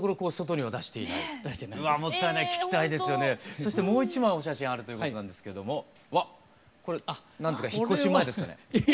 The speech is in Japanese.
そしてもう一枚お写真あるということなんですけどもわっこれ引っ越し前ですかね？